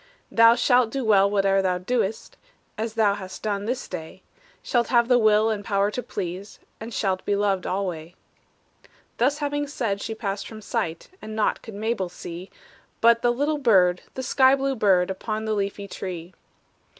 "Thou shalt do well whate'er thou dost, As thou hast done this day; Shalt have the will and power to please, And shalt be loved alway." Thus having said, she passed from sight, And naught could Mabel see, But the little bird, the sky blue bird, Upon the leafy tree.